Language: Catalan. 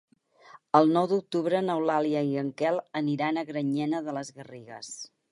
El nou d'octubre n'Eulàlia i en Quel aniran a Granyena de les Garrigues.